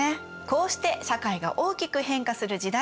こうして社会が大きく変化する時代。